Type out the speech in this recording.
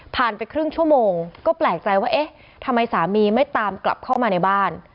ไปครึ่งชั่วโมงก็แปลกใจว่าเอ๊ะทำไมสามีไม่ตามกลับเข้ามาในบ้าน